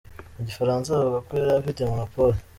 Mu gifaransa bavuga ko yari afite monopole.